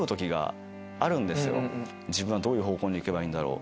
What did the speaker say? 自分はどういう方向に行けばいいんだろう？